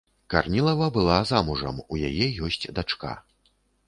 Карнілава была замужам, у яе ёсць дачка.